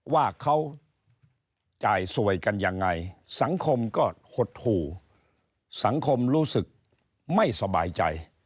ว่าเขาจ่ายสวยกันยังไงสังคมก็หดหู่สังคมรู้สึกไม่สบายใจ